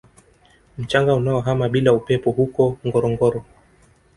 Mchanga unaohama bila upepo huko Ngorongoro